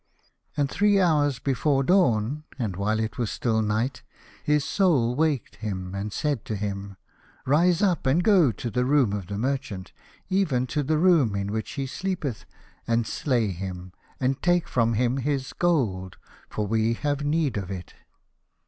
And three hours before dawn, and while it was still night, his Soul waked him, and said to him, " Rise up and go to the room of the merchant, even to the room in which he sleepeth, and slay him, and take from him his gold, for we have need of it."